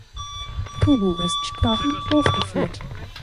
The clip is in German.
Togo-Restsprachen aufgeführt.